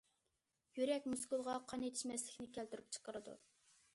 يۈرەك مۇسكۇلىغا قان يېتىشمەسلىكنى كەلتۈرۈپ چىقىرىدۇ.